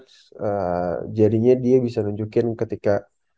terus jadinya dia bisa nunjukin ketika